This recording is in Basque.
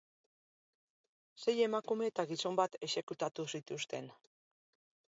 Sei emakume eta gizon bat exekutatu zituzten.